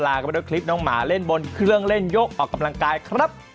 กันไปด้วยคลิปน้องหมาเล่นบนเครื่องเล่นยกออกกำลังกายครับ